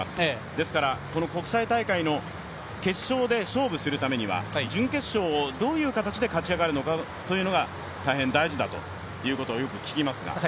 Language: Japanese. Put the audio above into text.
ですからこの国際大会の決勝で勝負するためには準決勝をどういう形で勝ち上がるかというのが大変大事だということをよく聞きますが。